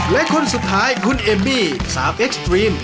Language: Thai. และคนสุดท้ายคุณเอมมี่สาวเอ็กซ์ตรีม